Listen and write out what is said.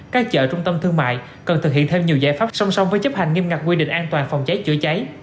các chợ trung tâm thương mại cần thực hiện thêm nhiều giải pháp song song với chấp hành nghiêm ngặt quy định an toàn phòng cháy chữa cháy